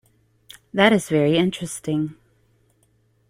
That is very interesting.